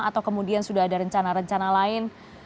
atau kemudian sudah ada rencana rencana lain